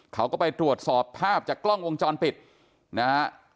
เขาก็ไปตรวจสอบภาพจากกล้องวงจรปิดนะฮะ